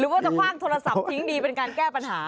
ว่าจะคว่างโทรศัพท์ทิ้งดีเป็นการแก้ปัญหา